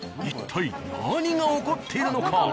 一体何が起こっているのか。